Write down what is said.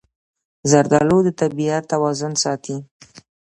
زردالو د طبیعت توازن ساتي.